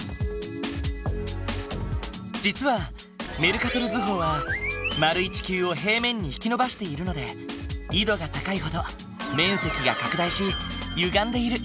実はメルカトル図法は丸い地球を平面に引き伸ばしているので緯度が高いほど面積が拡大しゆがんでいる。